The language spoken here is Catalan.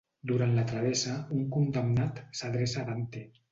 Durant la travessa un condemnat s'adreça a Dante.